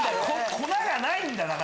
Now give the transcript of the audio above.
粉がないんだ。